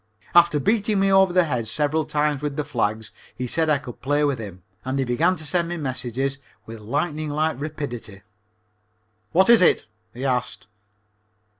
After beating me over the head several times with the flags, he said I could play with him, and he began to send me messages with lightning like rapidity. "What is it?" he asked.